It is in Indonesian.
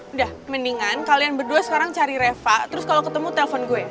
udah mendingan kalian berdua sekarang cari reva terus kalau ketemu telpon gue